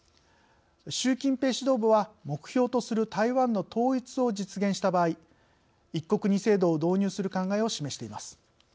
習近平指導部は目標とする台湾の「統一」を実現した場合「一国二制度」を導入する考えを示しています。